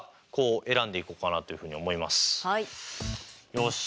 よし。